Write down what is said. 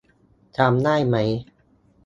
จำได้ไหม ?